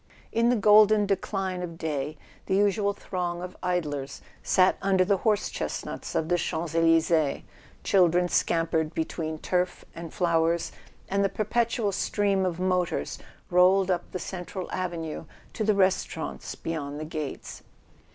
In the golden decline of day the usual throng of idlers sat under the horse chestnuts of the Champs Elysees, children scampered between turf and flowers, and the perpetual stream of motors rolled up the central avenue to the restaurants beyond the gates.